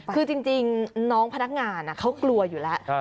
คือจริงน้องพนักงานเขากลัวอยู่แล้ว